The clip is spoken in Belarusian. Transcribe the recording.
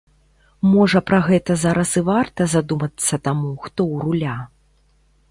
Можа пра гэта зараз і варта задумацца таму, хто ў руля?